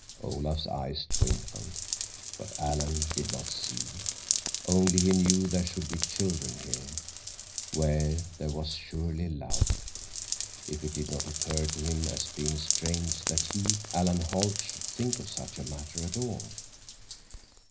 Olaf's eyes twinkled. But Alan did not see. Only he knew there should be children here, where there was surely love. It did not occur to him as being strange that he, Alan Holt, should think of such a matter at all.